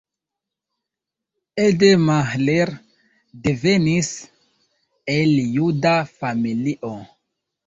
Ede Mahler devenis el juda familio.